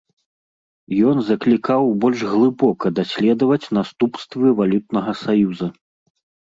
Ён заклікаў больш глыбока даследаваць наступствы валютнага саюза.